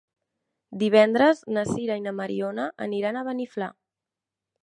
Divendres na Sira i na Mariona aniran a Beniflà.